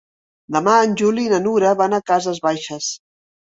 Demà en Juli i na Nura van a Cases Baixes.